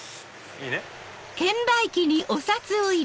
いいね。